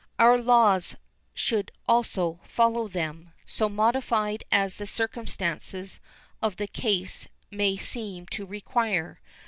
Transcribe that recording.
Our laws should also follow them, so modified as the circumstances of the case may seem to require.